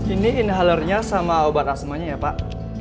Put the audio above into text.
ini inhalernya sama obat asma nya ya pak